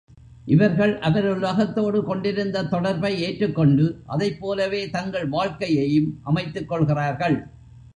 இவர்கள் அவர் உலகத்தோடு கொண்டிருந்த தொடர்பை ஏற்றுக் கொண்டு, அதைப் போலவே தங்கள் வாழ்க்கையையும் அமைத்துக் கொள்கிறார்கள்.